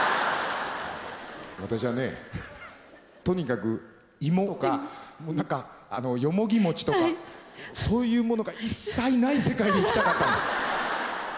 私はねとにかくいもかよもぎ餅とかそういうものが一切ない世界で生きたかったんです。